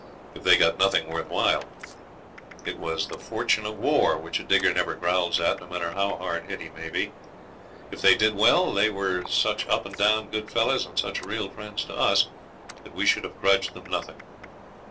If they got nothing worth while, it was the fortune of war, which a digger never growls at, no matter how hard hit he may be. If they did well, they were such up and down good fellows, and such real friends to us, that we should have grudged them nothing.